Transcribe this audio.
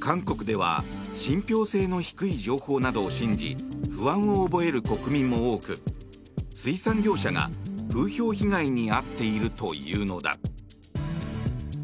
韓国では信ぴょう性の低い情報などを信じ不安を覚える国民も多く水産業者が風評被害に遭っているというのだ。